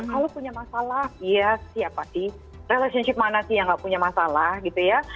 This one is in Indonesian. kalau punya masalah ya siapa sih relationship mana sih yang nggak punya masalah gitu ya